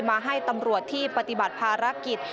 มาให้ตำรวจที่ปฏิบัติภารกิจ